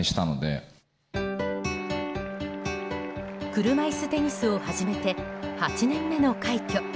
車いすテニスを始めて８年目の快挙。